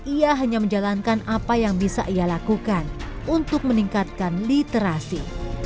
ia hanya menjalankan apa yang bisa ia lakukan untuk meningkatkan literasi